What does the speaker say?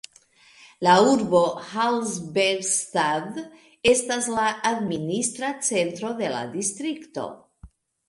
La urbo Halberstadt estas la administra centro de la distrikto.